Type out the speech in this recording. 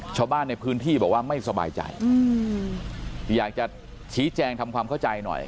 ชาวบ้านในพื้นที่บอกว่าไม่สบายใจอยากจะชี้แจงทำความเข้าใจหน่อย